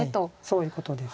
そういうことです。